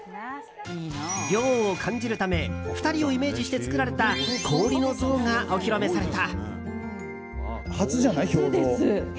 涼を感じるため２人をイメージして作られた氷の像がお披露目された。